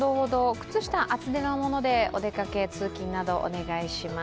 靴下厚手のものでお出かけ・通勤などお願いします。